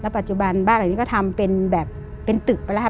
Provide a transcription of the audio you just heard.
ปัจจุบันบ้านเหล่านี้ก็ทำเป็นแบบเป็นตึกไปแล้วค่ะ